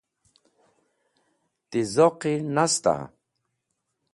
Ti zoqi nasta?